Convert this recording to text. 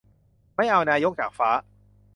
ไม่เอานายกจากฟ้า